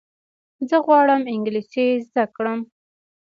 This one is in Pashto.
زه غواړم انګلیسي زده کړم.